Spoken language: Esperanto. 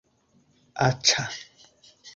aĉa